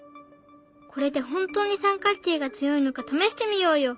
これで本当に三角形が強いのか試してみようよ。